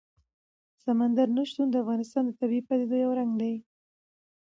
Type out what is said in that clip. سمندر نه شتون د افغانستان د طبیعي پدیدو یو رنګ دی.